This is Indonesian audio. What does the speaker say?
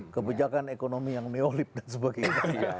kebijakan ekonomi yang meolib dan sebagainya